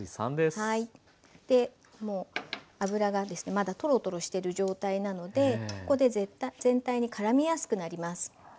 油がまだトロトロしてる状態なのでここで全体にからみやすくなります。